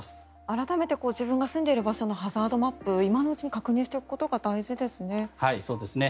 改めて自分の住んでいる場所のハザードマップを今のうちに確認しておくことが大事ですね。